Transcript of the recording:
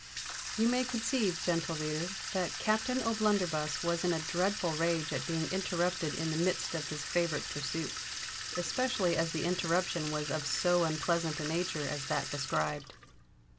You may conceive, gentle reader, that Captain O'Blunderbuss was in a dreadful rage at being interrupted in the midst of his favourite pursuit—especially as the interruption was of so unpleasant a nature as that described.